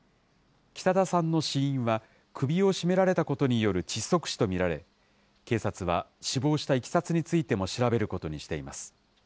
北田さんの死因は、首を絞められたことによる窒息死と見られ、警察は死亡したいきさつについても調べることにしています。